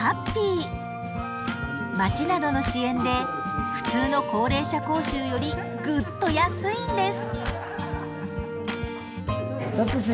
町などの支援で普通の高齢者講習よりグッと安いんです。